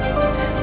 lo mau kemana